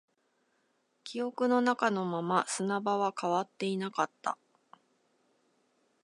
記憶の中のまま、砂場は変わっていなかった